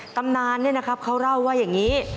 ตำนานเนี่ยนะครับเขาเล่าว่าอย่างนี้